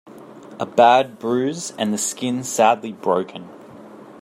A bad bruise, and the skin sadly broken.